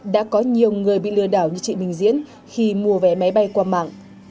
đã có nhiều người bị lừa đảo như chị bình diễn khi mua vé máy bay qua mạng